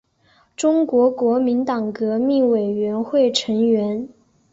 中国国民党革命委员会成员。